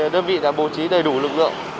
đơn vị đã bố trí đầy đủ lực lượng